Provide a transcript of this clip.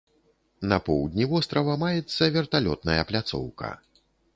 На поўдні вострава маецца верталётная пляцоўка.